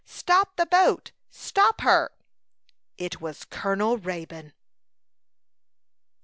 "Stop the boat! Stop her!" It was Colonel Raybone!